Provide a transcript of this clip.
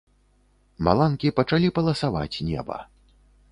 Маланкі пачалі паласаваць неба.